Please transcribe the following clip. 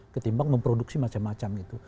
ketimbang memproduksi macam macam itu